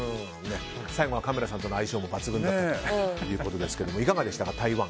最後はカメラさんとの相性も抜群だったということですがいかがでしたか、台湾。